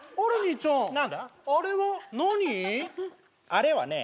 あれはね